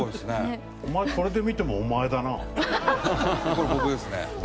これ僕ですね。